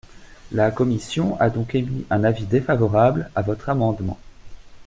La commission a donc émis un avis défavorable à votre amendement.